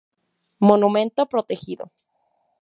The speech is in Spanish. Monumento protegido.